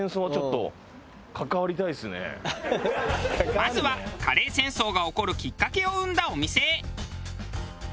まずはカレー戦争が起こるきっかけを生んだお店へ。